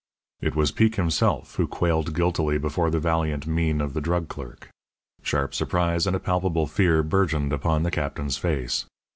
It was Peek himself who quailed guiltily before the valiant mien of the drug clerk. Sharp surprise and a palpable fear bourgeoned upon the Captain's face.